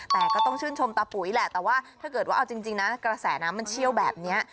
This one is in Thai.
แต่ก็ต้องชื่นชมตาปุ๋ยแหละแต่ว่าถ้าเกิดว่าเอาจริงนะกระแสน้ำมันเชี่ยวแบบนี้